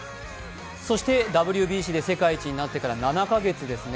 そしてＷＢＣで世界一になってから７か月ですね。